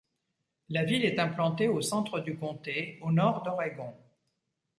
La ville est implantée au centre du comté, au nord d'Oregon.